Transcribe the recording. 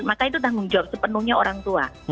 maka itu tanggung jawab sepenuhnya orang tua